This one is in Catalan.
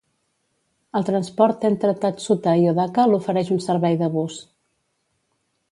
El transport entre Tatsuta i Odaka l'ofereix un servei de bus.